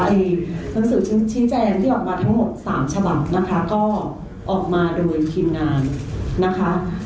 หนังสือชี้แจงที่ออกมาทั้งหมด๓ฉบับนะคะก็ออกมาโดยทีมงานนะคะ